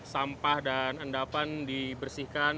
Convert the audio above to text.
sampah dan endapan dibersihkan